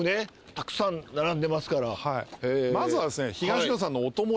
たくさん並んでますから。